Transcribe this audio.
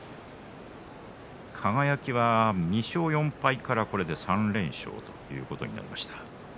輝は２勝４敗から、これで３連勝ということになりました。